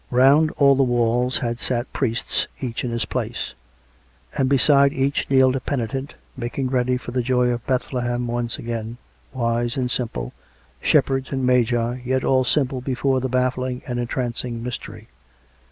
Round all the walls had sat priests, each in his place; and beside each kneeled a penitent, making ready for the joy of Bethlehem once again — wise and simple — Shepherds and Magi — yet all simple before the baffling and entrancing Mystery.